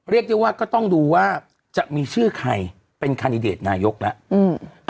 เรียกได้ว่าก็ต้องดูว่าจะมีชื่อใครเป็นคันดิเดตนายกแล้ว